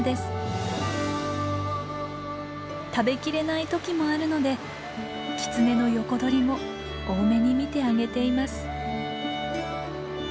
食べきれない時もあるのでキツネの横取りも大目に見てあげています。